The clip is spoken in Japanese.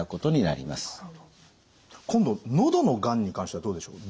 今度喉のがんに関してはどうでしょう？